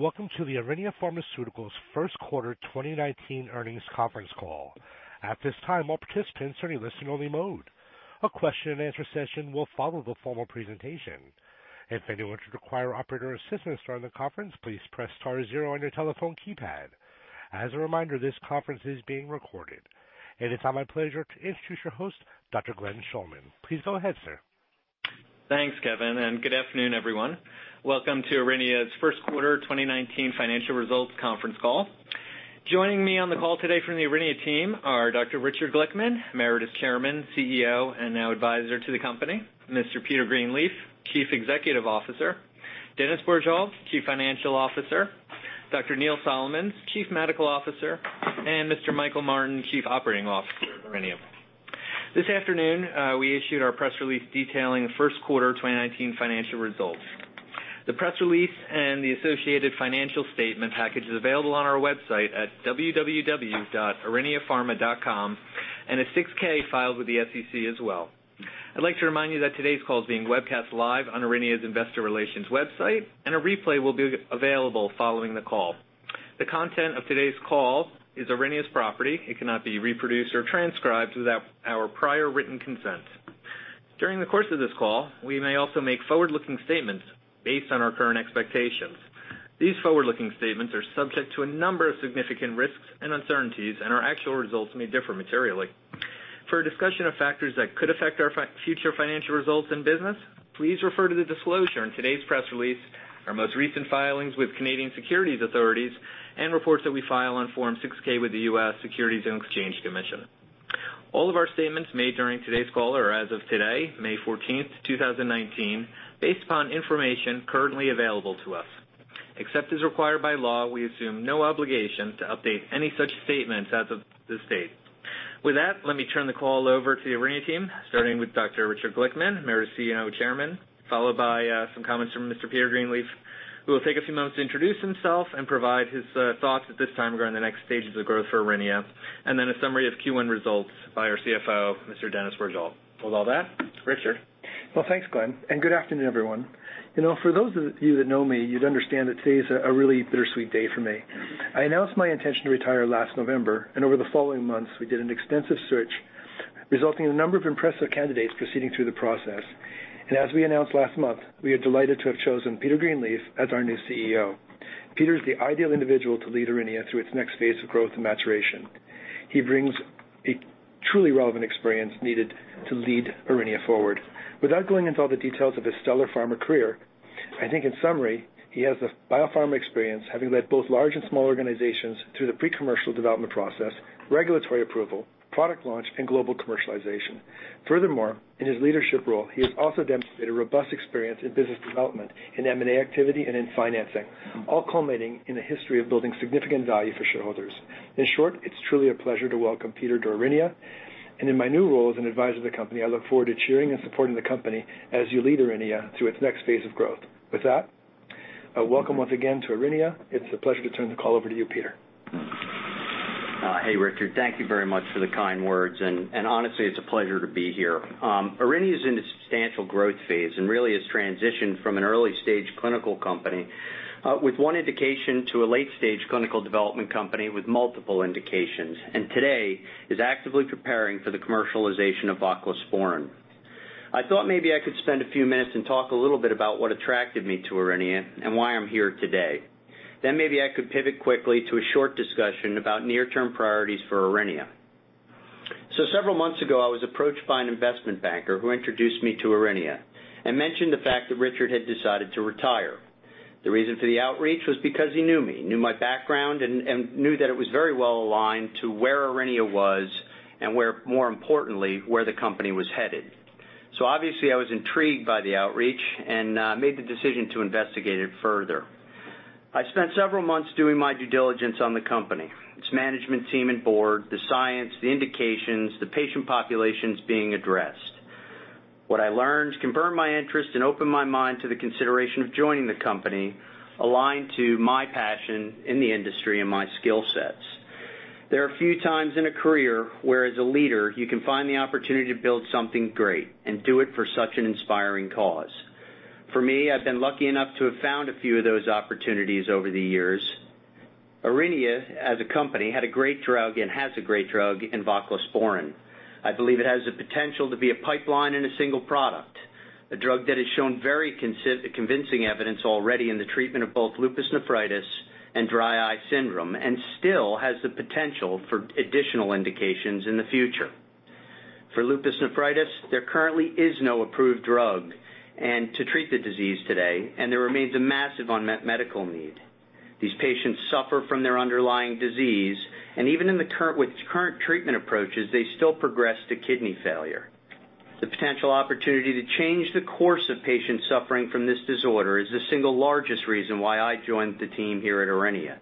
Welcome to the Aurinia Pharmaceuticals first quarter 2019 earnings conference call. At this time, all participants are in listen-only mode. A question-and-answer session will follow the formal presentation. If anyone should require operator assistance during the conference, please press star zero on your telephone keypad. As a reminder, this conference is being recorded. It is now my pleasure to introduce your host, Dr. Glenn Schulman. Please go ahead, sir. Thanks, Kevin. Good afternoon, everyone. Welcome to Aurinia's first quarter 2019 financial results conference call. Joining me on the call today from the Aurinia team are Dr. Richard Glickman, Emeritus Chairman, CEO, and now advisor to the company, Mr. Peter Greenleaf, Chief Executive Officer, Dennis Bourgeault, Chief Financial Officer, Dr. Neil Solomons, Chief Medical Officer, and Mr. Michael Martin, Chief Operating Officer at Aurinia. This afternoon, we issued our press release detailing the first quarter 2019 financial results. The press release and the associated financial statement package is available on our website at www.auriniapharma.com and a 6-K filed with the SEC as well. I'd like to remind you that today's call is being webcast live on Aurinia's investor relations website, and a replay will be available following the call. The content of today's call is Aurinia's property. It cannot be reproduced or transcribed without our prior written consent. During the course of this call, we may also make forward-looking statements based on our current expectations. These forward-looking statements are subject to a number of significant risks and uncertainties, and our actual results may differ materially. For a discussion of factors that could affect our future financial results and business, please refer to the disclosure in today's press release, our most recent filings with Canadian securities authorities, and reports that we file on Form 6-K with the U.S. Securities and Exchange Commission. All of our statements made during today's call are as of today, May 14th, 2019, based upon information currently available to us. Except as required by law, we assume no obligation to update any such statements as of this date. With that, let me turn the call over to the Aurinia team, starting with Dr. Richard Glickman, Emeritus CEO and Chairman, followed by some comments from Mr. Peter Greenleaf, who will take a few moments to introduce himself and provide his thoughts at this time regarding the next stages of growth for Aurinia, and then a summary of Q1 results by our CFO, Mr. Dennis Bourgeault. With all that, Richard. Well, thanks, Glenn, and good afternoon, everyone. For those of you that know me, you'd understand that today is a really bittersweet day for me. I announced my intention to retire last November. Over the following months, we did an extensive search, resulting in a number of impressive candidates proceeding through the process. As we announced last month, we are delighted to have chosen Peter Greenleaf as our new CEO. Peter is the ideal individual to lead Aurinia through its next phase of growth and maturation. He brings a truly relevant experience needed to lead Aurinia forward. Without going into all the details of his stellar pharma career, I think in summary, he has the biopharma experience, having led both large and small organizations through the pre-commercial development process, regulatory approval, product launch, and global commercialization. Furthermore, in his leadership role, he has also demonstrated a robust experience in business development, in M&A activity, and in financing, all culminating in a history of building significant value for shareholders. In short, it's truly a pleasure to welcome Peter to Aurinia. In my new role as an advisor to the company, I look forward to cheering and supporting the company as you lead Aurinia through its next phase of growth. With that, welcome once again to Aurinia. It's a pleasure to turn the call over to you, Peter. Hey, Richard. Thank you very much for the kind words, and honestly, it's a pleasure to be here. Aurinia's in a substantial growth phase and really has transitioned from an early-stage clinical company, with one indication to a late-stage clinical development company with multiple indications, and today is actively preparing for the commercialization of voclosporin. I thought maybe I could spend a few minutes and talk a little bit about what attracted me to Aurinia and why I'm here today. Maybe I could pivot quickly to a short discussion about near-term priorities for Aurinia. Several months ago, I was approached by an investment banker who introduced me to Aurinia and mentioned the fact that Richard had decided to retire. The reason for the outreach was because he knew me, knew my background, and knew that it was very well aligned to where Aurinia was and more importantly, where the company was headed. Obviously, I was intrigued by the outreach and made the decision to investigate it further. I spent several months doing my due diligence on the company, its management team and board, the science, the indications, the patient populations being addressed. What I learned confirmed my interest and opened my mind to the consideration of joining the company, aligned to my passion in the industry and my skill sets. There are a few times in a career where, as a leader, you can find the opportunity to build something great and do it for such an inspiring cause. For me, I've been lucky enough to have found a few of those opportunities over the years. Aurinia, as a company, had a great drug and has a great drug in voclosporin. I believe it has the potential to be a pipeline and a single product, a drug that has shown very convincing evidence already in the treatment of both lupus nephritis and dry eye syndrome, and still has the potential for additional indications in the future. For lupus nephritis, there currently is no approved drug to treat the disease today, and there remains a massive unmet medical need. These patients suffer from their underlying disease, and even with current treatment approaches, they still progress to kidney failure. The potential opportunity to change the course of patients suffering from this disorder is the single largest reason why I joined the team here at Aurinia.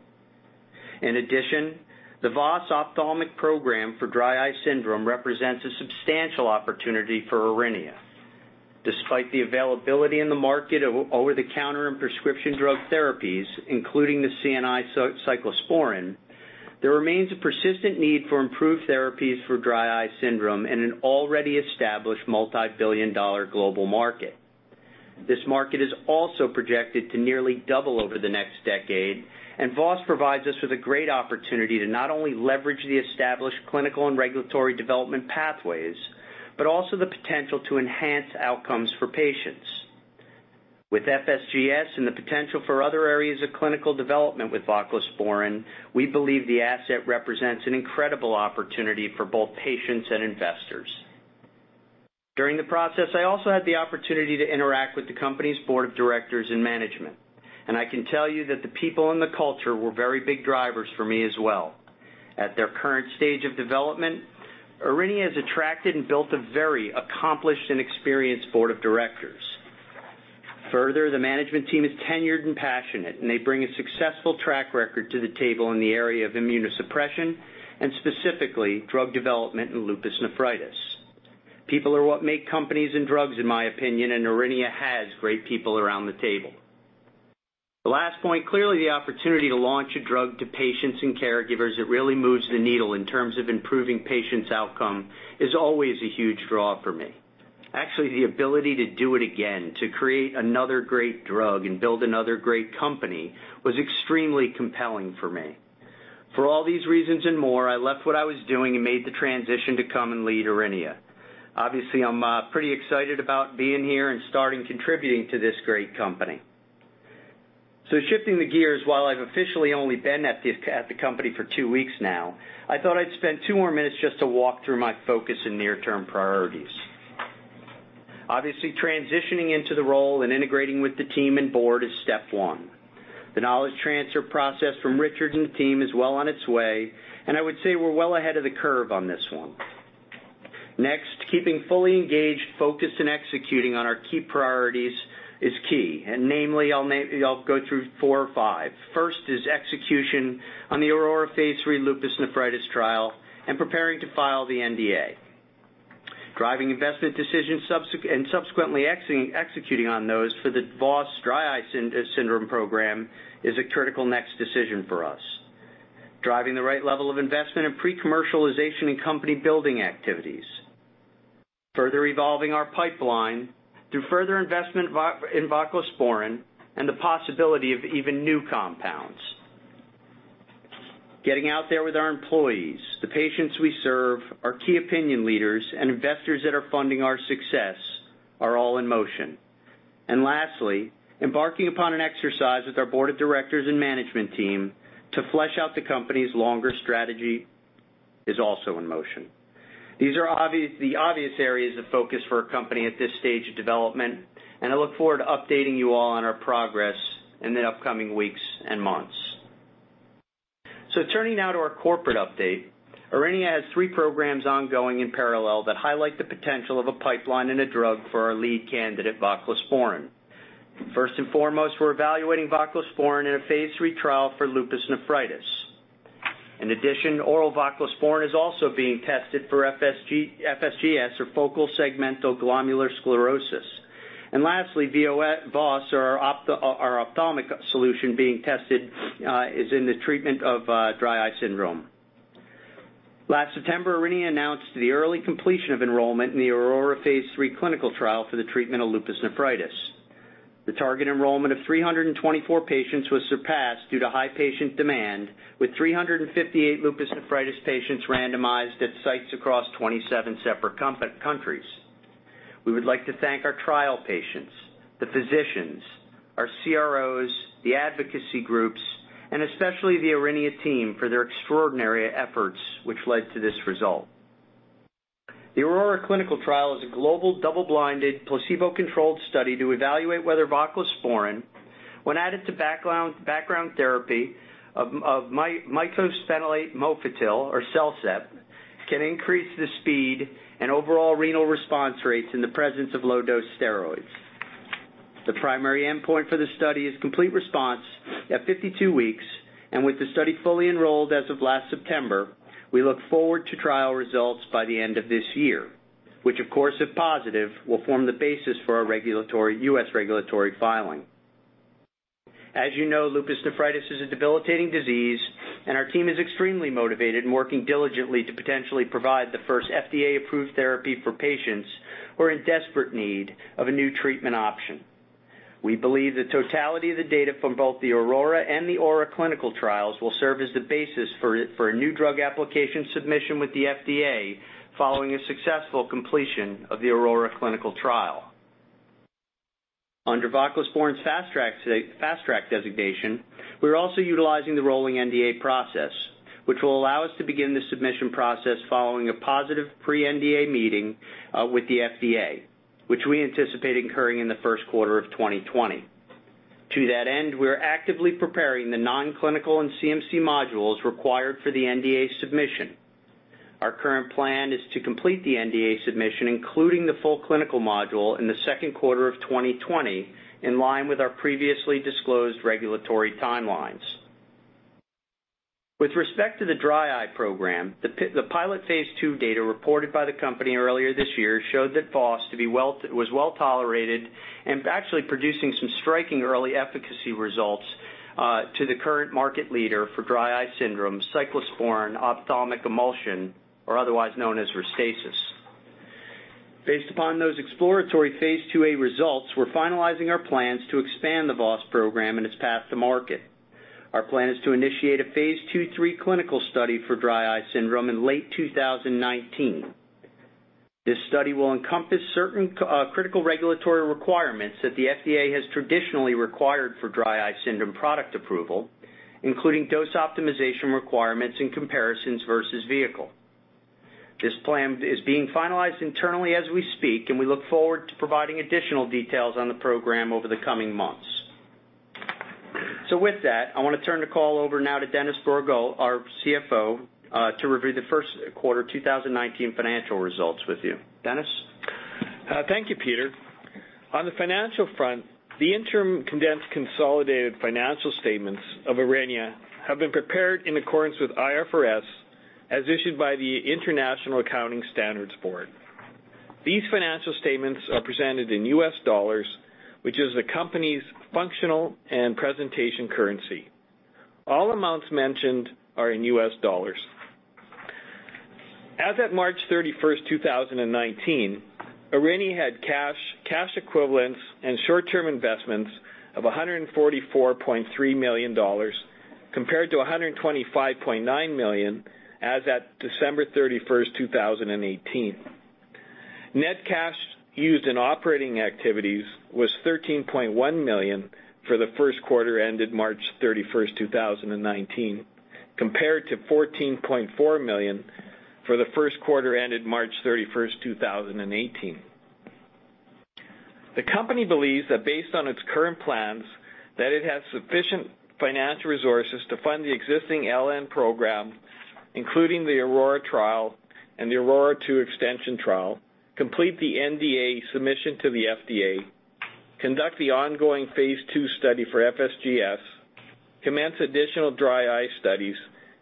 In addition, the VOS Ophthalmic program for dry eye syndrome represents a substantial opportunity for Aurinia. Despite the availability in the market of over-the-counter and prescription drug therapies, including the CNI cyclosporine There remains a persistent need for improved therapies for dry eye syndrome in an already established multi-billion dollar global market. This market is also projected to nearly double over the next decade. VOS provides us with a great opportunity to not only leverage the established clinical and regulatory development pathways, but also the potential to enhance outcomes for patients. With FSGS and the potential for other areas of clinical development with voclosporin, we believe the asset represents an incredible opportunity for both patients and investors. During the process, I also had the opportunity to interact with the company's board of directors and management, and I can tell you that the people and the culture were very big drivers for me as well. At their current stage of development, Aurinia has attracted and built a very accomplished and experienced board of directors. Further, the management team is tenured and passionate. They bring a successful track record to the table in the area of immunosuppression and specifically drug development in lupus nephritis. People are what make companies and drugs, in my opinion. Aurinia has great people around the table. The last point, clearly the opportunity to launch a drug to patients and caregivers that really moves the needle in terms of improving patients' outcome is always a huge draw for me. Actually, the ability to do it again, to create another great drug and build another great company, was extremely compelling for me. For all these reasons and more, I left what I was doing and made the transition to come and lead Aurinia. Obviously, I'm pretty excited about being here and starting contributing to this great company. Shifting the gears, while I've officially only been at the company for two weeks now, I thought I'd spend two more minutes just to walk through my focus and near-term priorities. Obviously, transitioning into the role and integrating with the team and board is step 1. The knowledge transfer process from Richard and the team is well on its way, and I would say we're well ahead of the curve on this one. Next, keeping fully engaged, focused, and executing on our key priorities is key. Namely, I'll go through four or five. First is execution on the AURORA Phase III lupus nephritis trial and preparing to file the NDA. Driving investment decisions and subsequently executing on those for the VOS dry eye syndrome program is a critical next decision for us. Driving the right level of investment in pre-commercialization and company building activities. Further evolving our pipeline through further investment in voclosporin and the possibility of even new compounds. Getting out there with our employees, the patients we serve, our key opinion leaders, and investors that are funding our success are all in motion. Lastly, embarking upon an exercise with our board of directors and management team to flesh out the company's longer strategy is also in motion. These are the obvious areas of focus for a company at this stage of development, and I look forward to updating you all on our progress in the upcoming weeks and months. Turning now to our corporate update. Aurinia has three programs ongoing in parallel that highlight the potential of a pipeline and a drug for our lead candidate, voclosporin. First and foremost, we're evaluating voclosporin in a Phase III trial for lupus nephritis. In addition, oral voclosporin is also being tested for FSGS, or focal segmental glomerulosclerosis. Lastly, VOS, our ophthalmic solution being tested, is in the treatment of dry eye syndrome. Last September, Aurinia announced the early completion of enrollment in the AURORA Phase III clinical trial for the treatment of lupus nephritis. The target enrollment of 324 patients was surpassed due to high patient demand, with 358 lupus nephritis patients randomized at sites across 27 separate countries. We would like to thank our trial patients, the physicians, our CROs, the advocacy groups, and especially the Aurinia team for their extraordinary efforts, which led to this result. The AURORA clinical trial is a global double-blinded, placebo-controlled study to evaluate whether voclosporin, when added to background therapy of mycophenolate mofetil or CellCept, can increase the speed and overall renal response rates in the presence of low-dose steroids. The primary endpoint for this study is complete response at 52 weeks, and with the study fully enrolled as of last September, we look forward to trial results by the end of this year, which, of course, if positive, will form the basis for our U.S. regulatory filing. As you know, lupus nephritis is a debilitating disease, and our team is extremely motivated and working diligently to potentially provide the first FDA-approved therapy for patients who are in desperate need of a new treatment option. We believe the totality of the data from both the AURORA and the AURA clinical trials will serve as the basis for a New Drug Application submission with the FDA following a successful completion of the AURORA clinical trial. Under voclosporin's Fast Track designation, we're also utilizing the rolling NDA process, which will allow us to begin the submission process following a positive pre-NDA meeting with the FDA, which we anticipate occurring in the first quarter of 2020. To that end, we are actively preparing the non-clinical and CMC modules required for the NDA submission. Our current plan is to complete the NDA submission, including the full clinical module, in the second quarter of 2020, in line with our previously disclosed regulatory timelines. With respect to the dry eye program. The pilot phase II data reported by the company earlier this year showed that VOS was well-tolerated and actually producing some striking early efficacy results to the current market leader for dry eye syndrome, cyclosporine ophthalmic emulsion, or otherwise known as Restasis. Based upon those exploratory phase IIa results, we're finalizing our plans to expand the VOS program and its path to market. Our plan is to initiate a phase II/III clinical study for dry eye syndrome in late 2019. This study will encompass certain critical regulatory requirements that the FDA has traditionally required for dry eye syndrome product approval, including dose optimization requirements and comparisons versus vehicle. This plan is being finalized internally as we speak, and we look forward to providing additional details on the program over the coming months. With that, I want to turn the call over now to Dennis Bourgeault, our CFO, to review the first quarter 2019 financial results with you. Dennis? Thank you, Peter. On the financial front, the interim condensed consolidated financial statements of Aurinia have been prepared in accordance with IFRS, as issued by the International Accounting Standards Board. These financial statements are presented in U.S. dollars, which is the company's functional and presentation currency. All amounts mentioned are in U.S. dollars. As at March 31, 2019, Aurinia had cash equivalents and short-term investments of $144.3 million compared to $125.9 million as at December 31, 2018. Net cash used in operating activities was $13.1 million for the first quarter ended March 31, 2019, compared to $14.4 million for the first quarter ended March 31, 2018. The company believes that based on its current plans, that it has sufficient financial resources to fund the existing LN program, including the AURORA trial and the AURORA 2 extension trial, complete the NDA submission to the FDA, conduct the ongoing phase II study for FSGS, commence additional dry eye studies,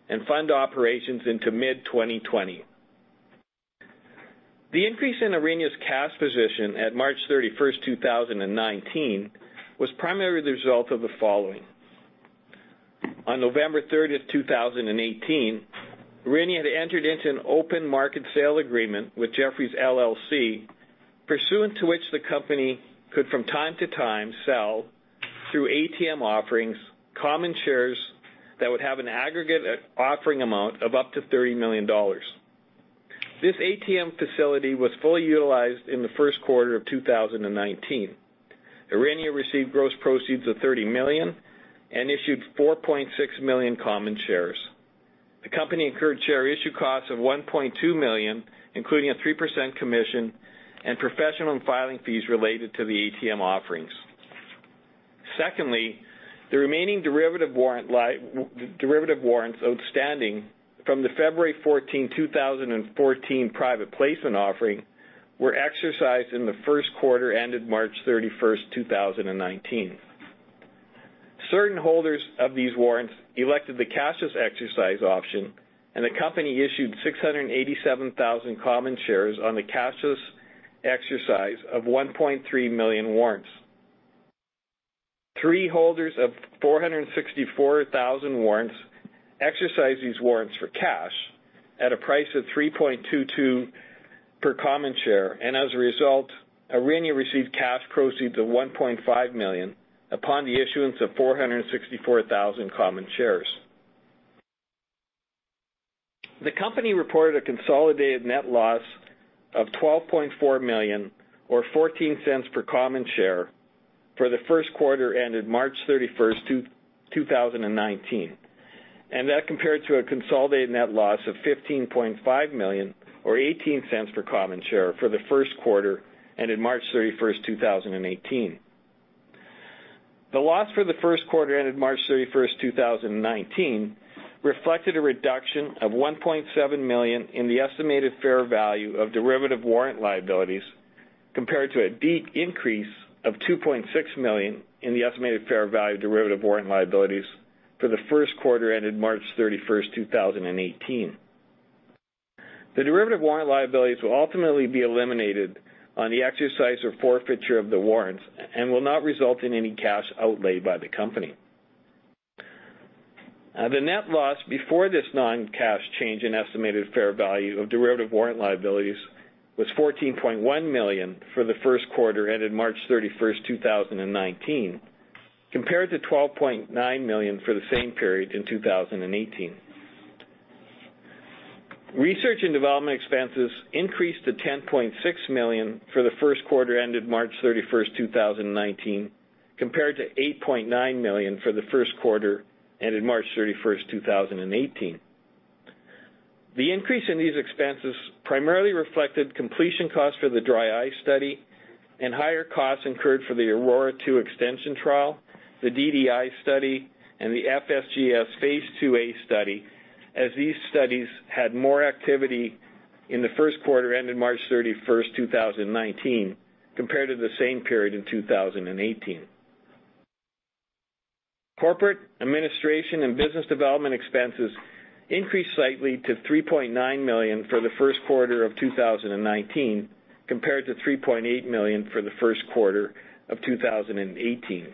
and fund operations into mid-2020. The increase in Aurinia's cash position at March 31, 2019, was primarily the result of the following. On November 30, 2018, Aurinia had entered into an open market sale agreement with Jefferies LLC, pursuant to which the company could from time to time sell through ATM offerings, common shares that would have an aggregate offering amount of up to $30 million. This ATM facility was fully utilized in the first quarter of 2019. Aurinia received gross proceeds of $30 million and issued 4.6 million common shares. The company incurred share issue costs of $1.2 million, including a 3% commission and professional and filing fees related to the ATM offerings. Secondly, the remaining derivative warrants outstanding from the February 14, 2014 private placement offering were exercised in the first quarter ended March 31st, 2019. Certain holders of these warrants elected the cashless exercise option, and the company issued 687,000 common shares on the cashless exercise of 1.3 million warrants. Three holders of 464,000 warrants exercised these warrants for cash at a price of $3.22 per common share, and as a result, Aurinia received cash proceeds of $1.5 million upon the issuance of 464,000 common shares. The company reported a consolidated net loss of $12.4 million, or $0.14 per common share, for the first quarter ended March 31st, 2019. That compared to a consolidated net loss of $15.5 million or $0.18 per common share for the first quarter ended March 31st, 2018. The loss for the first quarter ended March 31st, 2019, reflected a reduction of $1.7 million in the estimated fair value of derivative warrant liabilities, compared to a deep increase of $2.6 million in the estimated fair value derivative warrant liabilities for the first quarter ended March 31st, 2018. The derivative warrant liabilities will ultimately be eliminated on the exercise or forfeiture of the warrants and will not result in any cash outlay by the company. The net loss before this non-cash change in estimated fair value of derivative warrant liabilities was $14.1 million for the first quarter ended March 31st, 2019, compared to $12.9 million for the same period in 2018. Research and development expenses increased to $10.6 million for the first quarter ended March 31st, 2019, compared to $8.9 million for the first quarter ended March 31st, 2018. The increase in these expenses primarily reflected completion costs for the dry eye study and higher costs incurred for the AURORA 2 extension trial, the DDI study, and the FSGS phase IIa study, as these studies had more activity in the first quarter ended March 31st, 2019 compared to the same period in 2018. Corporate administration and business development expenses increased slightly to $3.9 million for the first quarter of 2019, compared to $3.8 million for the first quarter of 2018.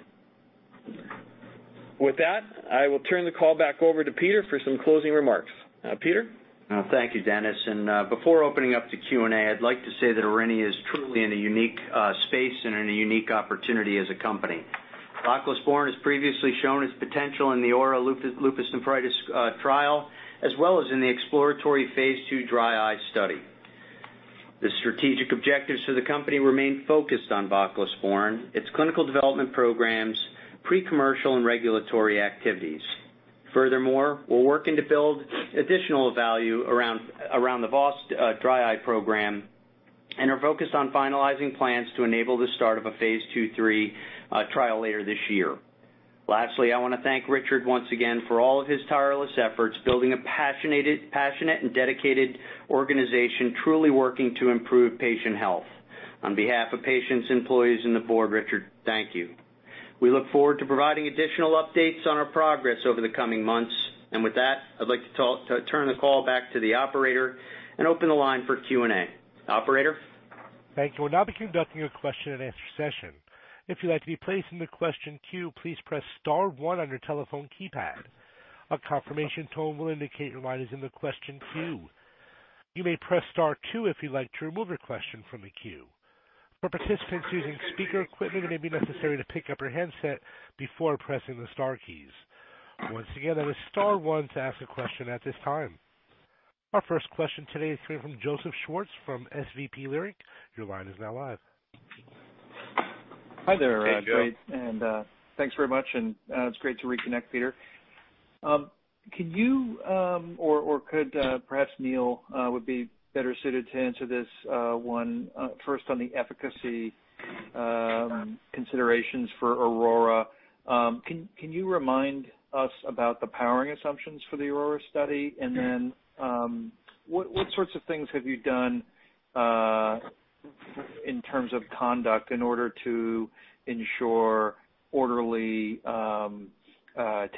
With that, I will turn the call back over to Peter for some closing remarks. Peter? Thank you, Dennis. Before opening up to Q&A, I'd like to say that Aurinia is truly in a unique space and in a unique opportunity as a company. voclosporin has previously shown its potential in the AURA lupus nephritis trial, as well as in the exploratory phase II dry eye study. The strategic objectives for the company remain focused on voclosporin, its clinical development programs, pre-commercial and regulatory activities. Furthermore, we're working to build additional value around the VOS dry eye program and are focused on finalizing plans to enable the start of a phase II/III trial later this year. Lastly, I want to thank Richard once again for all of his tireless efforts building a passionate and dedicated organization, truly working to improve patient health. On behalf of patients, employees, and the board, Richard, thank you. We look forward to providing additional updates on our progress over the coming months. With that, I'd like to turn the call back to the operator and open the line for Q&A. Operator? Thank you. We'll now be conducting a question and answer session. If you'd like to be placed in the question queue, please press star one on your telephone keypad. A confirmation tone will indicate your line is in the question queue. You may press star two if you'd like to remove your question from the queue. For participants using speaker equipment, it may be necessary to pick up your handset before pressing the star keys. Once again, that was star one to ask a question at this time. Our first question today is coming from Joseph Schwartz from SVB Leerink. Your line is now live. Hi there. Hey, Joe. Thanks very much, and it's great to reconnect, Peter. Can you, or could perhaps Neil would be better suited to answer this one, first on the efficacy considerations for AURORA. Can you remind us about the powering assumptions for the AURORA study? Then, what sorts of things have you done in terms of conduct in order to ensure orderly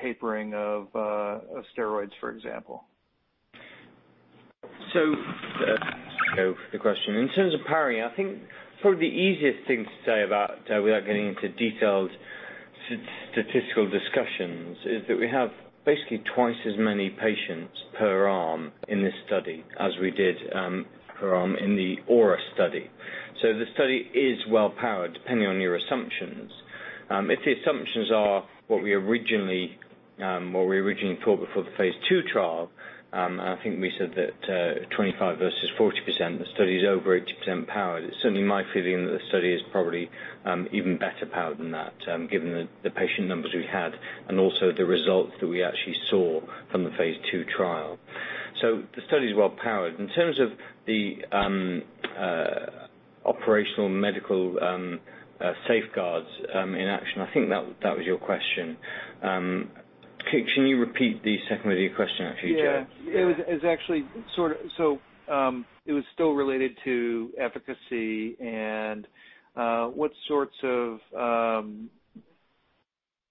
tapering of steroids, for example? Joe, for the question. In terms of powering, I think probably the easiest thing to say about, without getting into detailed statistical discussions, is that we have basically twice as many patients per arm in this study as we did per arm in the AURA study. The study is well-powered, depending on your assumptions. If the assumptions are what we originally thought before the phase II trial, and I think we said that 25% versus 40%, the study is over 80% powered. It's certainly my feeling that the study is probably even better powered than that, given the patient numbers we had and also the results that we actually saw from the phase II trial. The study is well-powered. In terms of the operational medical safeguards in action, I think that was your question. Can you repeat the second of your question actually, Joe? Yeah. It was still related to efficacy and what sorts of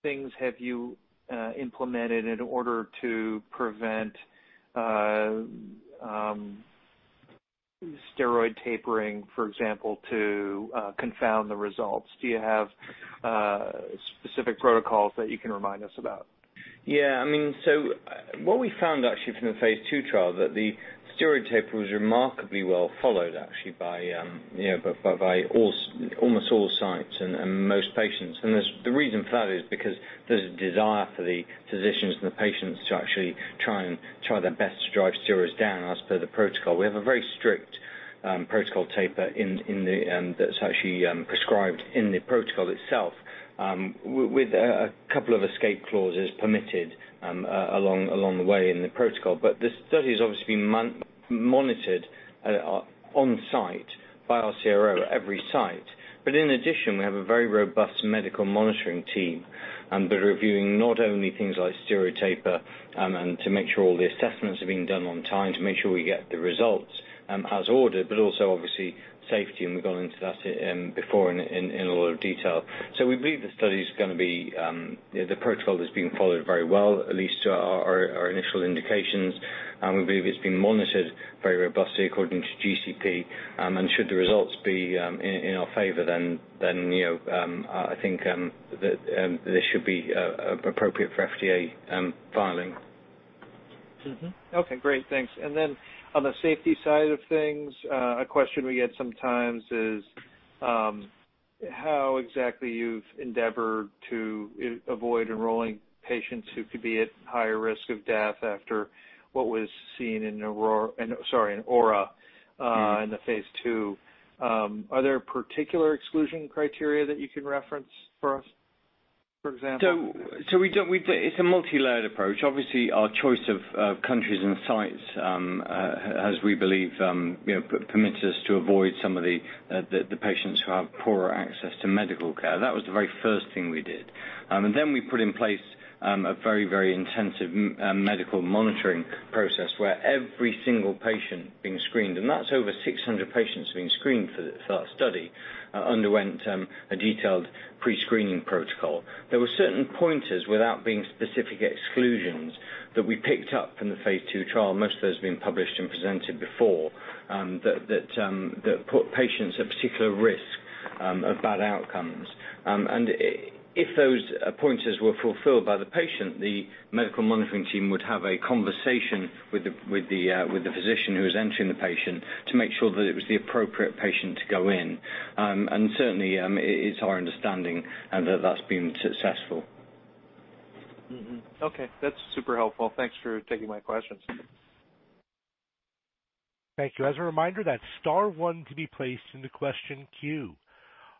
things have you implemented in order to prevent steroid tapering, for example, to confound the results. Do you have specific protocols that you can remind us about? What we found actually from the phase II trial, that the steroid taper was remarkably well followed actually by almost all sites and most patients. The reason for that is because there's a desire for the physicians and the patients to actually try their best to drive steroids down as per the protocol. We have a very strict protocol taper that's actually prescribed in the protocol itself, with a couple of escape clauses permitted along the way in the protocol. The study has obviously been monitored on-site by our CRO at every site. In addition, we have a very robust medical monitoring team. They're reviewing not only things like steroid taper to make sure all the assessments are being done on time, to make sure we get the results as ordered, but also obviously safety. We've gone into that before in a lot of detail. We believe the study is going to be, the protocol is being followed very well, at least to our initial indications. We believe it's being monitored very robustly according to GCP. Should the results be in our favor, I think this should be appropriate for FDA filing. Mm-hmm. Okay, great. Thanks. On the safety side of things, a question we get sometimes is how exactly you've endeavored to avoid enrolling patients who could be at higher risk of death after what was seen in AURORA in the phase II. Are there particular exclusion criteria that you can reference for us, for example? It's a multi-layered approach. Obviously, our choice of countries and sites, as we believe, permits us to avoid some of the patients who have poorer access to medical care. That was the very first thing we did. Then we put in place a very, very intensive medical monitoring process where every single patient being screened, and that's over 600 patients being screened for the study, underwent a detailed pre-screening protocol. There were certain pointers, without being specific exclusions, that we picked up from the phase II trial, most of those have been published and presented before, that put patients at particular risk of bad outcomes. If those pointers were fulfilled by the patient, the medical monitoring team would have a conversation with the physician who is entering the patient to make sure that it was the appropriate patient to go in. Certainly, it's our understanding that that's been successful. Mm-hmm. Okay. That's super helpful. Thanks for taking my questions. Thank you. As a reminder, that's star one can be placed into question queue.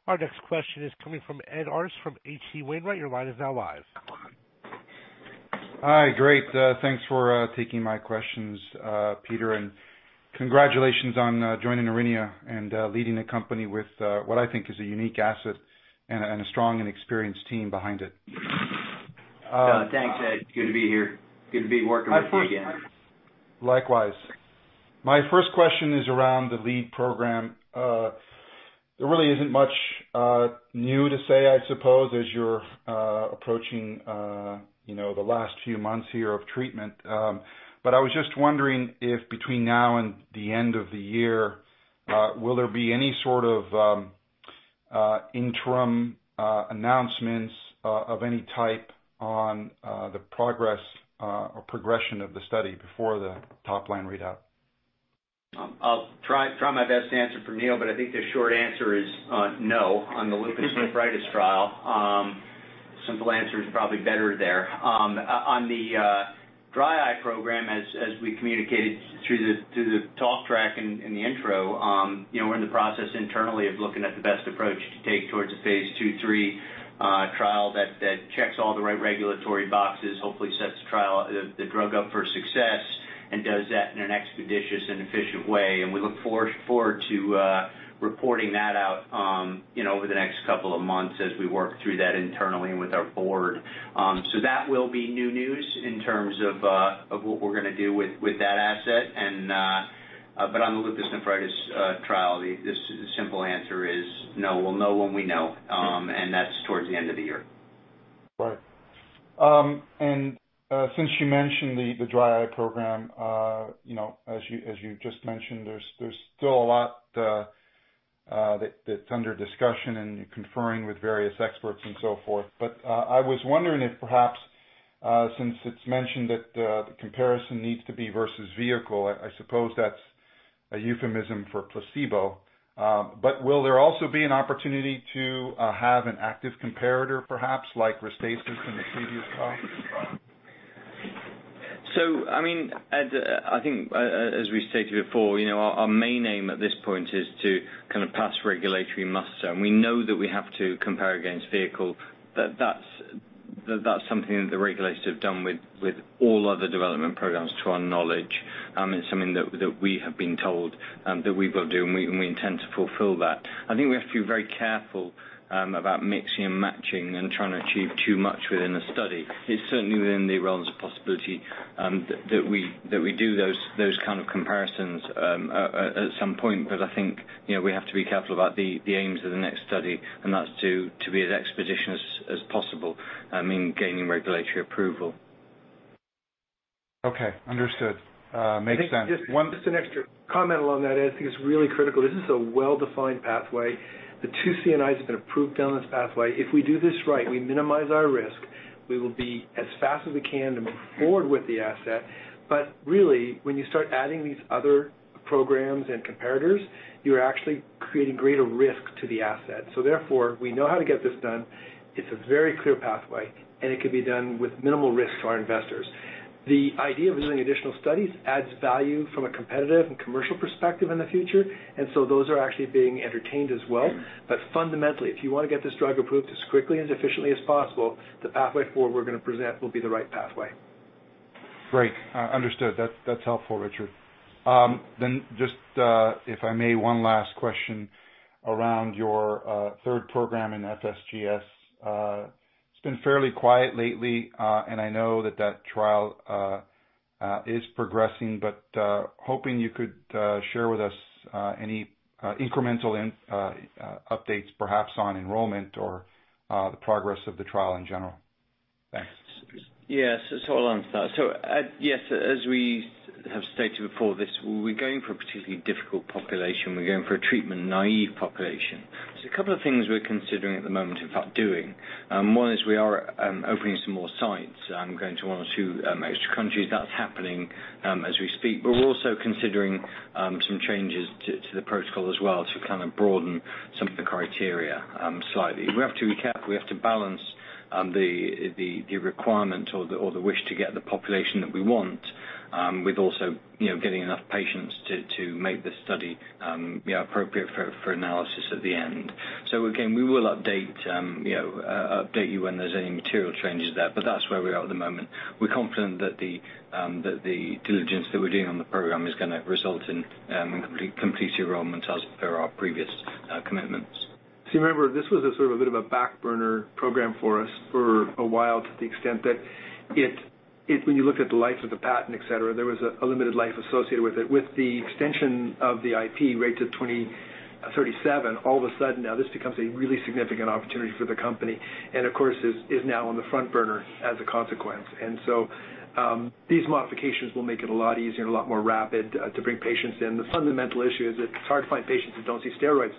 Our next question is coming from Ed Arce from H.C. Wainwright. Your line is now live. Hi. Great. Thanks for taking my questions, Peter, congratulations on joining Aurinia and leading a company with what I think is a unique asset and a strong and experienced team behind it. Thanks, Ed. Good to be here. Good to be working with you again. Likewise. My first question is around the lead program. There really isn't much new to say, I suppose, as you're approaching the last few months here of treatment. I was just wondering if between now and the end of the year, will there be any sort of interim announcements of any type on the progress or progression of the study before the top-line readout? I'll try my best to answer for Neil, I think the short answer is no on the lupus nephritis trial. Simple answer is probably better there. On the dry eye program, as we communicated through the talk track in the intro, we're in the process internally of looking at the best approach to take towards a phase II/III trial that checks all the right regulatory boxes, hopefully sets the drug up for success, and does that in an expeditious and efficient way. We look forward to reporting that out over the next couple of months as we work through that internally and with our board. That will be new news in terms of what we're going to do with that asset. On the lupus nephritis trial, the simple answer is no. We'll know when we know, and that's towards the end of the year. Right. Since you mentioned the dry eye program, as you just mentioned, there's still a lot that's under discussion and you're conferring with various experts and so forth. I was wondering if perhaps, since it's mentioned that the comparison needs to be versus vehicle, I suppose that's a euphemism for placebo, but will there also be an opportunity to have an active comparator, perhaps, like RESTASIS in the previous trial? Ed, I think as we stated before, our main aim at this point is to pass regulatory muster. We know that we have to compare against vehicle. That's something that the regulators have done with all other development programs, to our knowledge. It's something that we have been told that we will do, and we intend to fulfill that. I think we have to be very careful about mixing and matching and trying to achieve too much within a study. It's certainly within the realms of possibility that we do those kind of comparisons at some point. I think we have to be careful about the aims of the next study, and that's to be as expeditious as possible in gaining regulatory approval. Okay. Understood. Makes sense. Just an extra comment along that, Ed. I think it's really critical. This is a well-defined pathway. The two CNIs have been approved down this pathway. If we do this right, we minimize our risk, we will be as fast as we can to move forward with the asset. Really, when you start adding these other programs and comparators, you're actually creating greater risk to the asset. Therefore, we know how to get this done. It's a very clear pathway. It can be done with minimal risk to our investors. The idea of doing additional studies adds value from a competitive and commercial perspective in the future. So those are actually being entertained as well. Fundamentally, if you want to get this drug approved as quickly and efficiently as possible, the pathway forward we're going to present will be the right pathway. Great. Understood. That's helpful, Richard. Just, if I may, one last question around your third program in FSGS. It's been fairly quiet lately, and I know that that trial is progressing, hoping you could share with us any incremental updates, perhaps on enrollment or the progress of the trial in general. Thanks. Yes, I'll answer that. Yes, as we have stated before this, we're going for a particularly difficult population. We're going for a treatment-naive population. A couple of things we're considering at the moment, in fact, doing. One is we are opening some more sites, going to one or two extra countries. That's happening as we speak. We're also considering some changes to the protocol as well to broaden some of the criteria slightly. We have to be careful. We have to balance the requirement or the wish to get the population that we want with also getting enough patients to make this study appropriate for analysis at the end. Again, we will update you when there's any material changes there, but that's where we are at the moment. We're confident that the diligence that we're doing on the program is going to result in complete enrollments as per our previous commitments. You remember, this was a sort of a bit of a back burner program for us for a while to the extent that when you looked at the life of the patent, et cetera, there was a limited life associated with it. With the extension of the IP right to 2037, all of a sudden now this becomes a really significant opportunity for the company. Of course, is now on the front burner as a consequence. These modifications will make it a lot easier and a lot more rapid to bring patients in. The fundamental issue is it's hard to find patients who don't see steroids,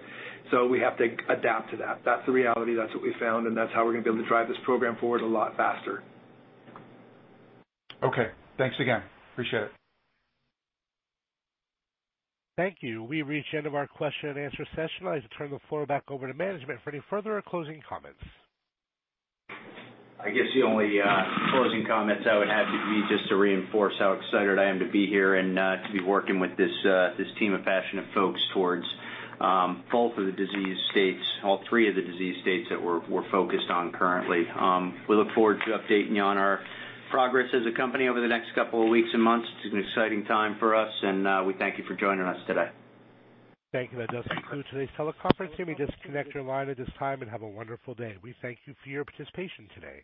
so we have to adapt to that. That's the reality. That's what we found, and that's how we're going to be able to drive this program forward a lot faster. Okay. Thanks again. Appreciate it. Thank you. We've reached the end of our question and answer session. I'd like to turn the floor back over to management for any further or closing comments. I guess the only closing comments I would have would be just to reinforce how excited I am to be here and to be working with this team of passionate folks towards both of the disease states, all three of the disease states that we're focused on currently. We look forward to updating you on our progress as a company over the next couple of weeks and months. It's an exciting time for us, and we thank you for joining us today. Thank you. That does conclude today's teleconference. You may disconnect your line at this time, and have a wonderful day. We thank you for your participation today.